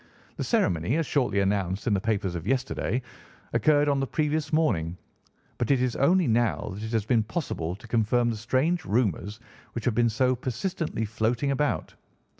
The ceremony, as shortly announced in the papers of yesterday, occurred on the previous morning; but it is only now that it has been possible to confirm the strange rumours which have been so persistently floating about.